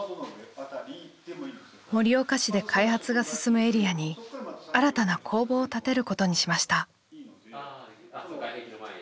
盛岡市で開発が進むエリアに新たな工房を建てることにしました。